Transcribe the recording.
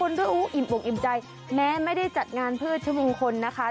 คนเพื่ออุ๋อิ่มบวงอิ่มใจแม้ไม่ได้จัดงานเพื่อชมงคลนะคะ